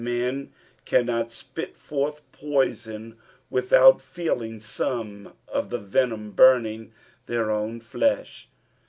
[Men cannot spit 'forth poison with out feeling some of the veuDin bunting their own tieab.